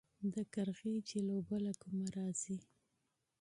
د قرغې جهیل اوبه له کومه راځي؟